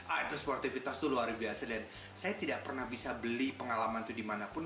ah itu sportivitas itu luar biasa dan saya tidak pernah bisa beli pengalaman itu dimanapun